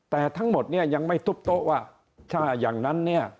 แต่ทั้งหมดเนี่ยยังไม่ทุบโต๊ะว่าถ้าอย่างนั้นเนี่ย